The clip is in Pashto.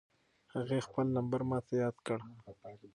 هغې خپل نمبر ماته یاد کړ.